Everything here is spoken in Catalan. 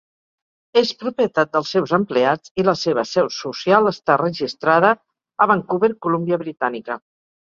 És propietat dels seus empleats i la seva seu social està registrada a Vancouver, Columbia Britànica.